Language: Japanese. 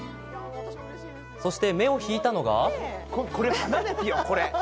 そして、目を引いたのが。